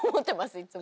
いつも。